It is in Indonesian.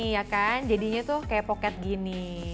iya kan jadinya tuh kayak poket gini